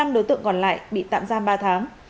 năm đối tượng còn lại bị tạm giam ba tháng